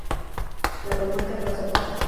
La propuesta fue aceptada.